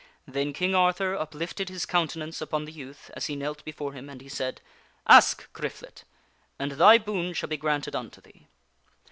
" Then King Arthur uplifted his countenance upon the youth as he knelt before him and he said, " Ask, Griflet, and thy boon shall be granted unto thee."